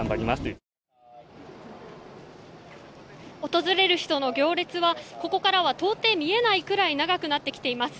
訪れる人の行列はここからは到底見えなくなるぐらい長くなってきています。